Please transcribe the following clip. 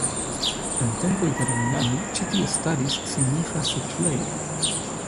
En tempoj de romianoj ĉi tie staris signifa setlejo.